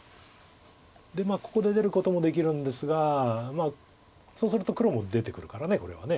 ここで出ることもできるんですがそうすると黒も出てくるからこれは。